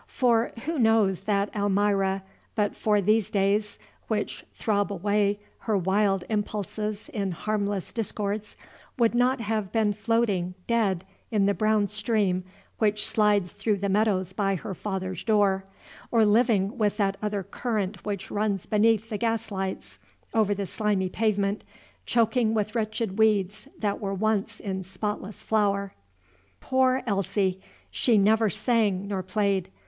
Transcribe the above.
For who knows that Almira, but for these keys, which throb away her wild impulses in harmless discords would not have been floating, dead, in the brown stream which slides through the meadows by her father's door, or living, with that other current which runs beneath the gas lights over the slimy pavement, choking with wretched weeds that were once in spotless flower? Poor Elsie! She never sang nor played.